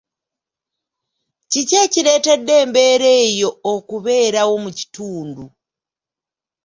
Kiki ekireetedde embeera eyo okubeerawo mu kitundu?